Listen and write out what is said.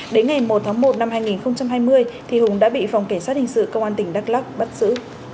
đến ngày một tháng một năm hai nghìn hai mươi hùng đã bị phòng cảnh sát hình sự công an tỉnh đắk lắc bắt giữ